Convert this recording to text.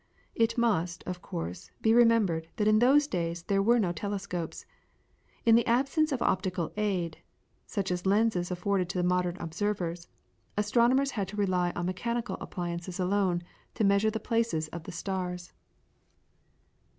It must, of course, be remembered that in those days there were no telescopes. In the absence of optical aid, such as lenses afford the modern observers, astronomers had to rely on mechanical appliances alone to measure the places of the stars.